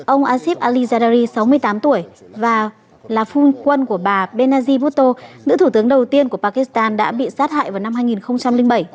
ông asif ali zardari sáu mươi tám tuổi và là fun quân của bà bennazy boto nữ thủ tướng đầu tiên của pakistan đã bị sát hại vào năm hai nghìn bảy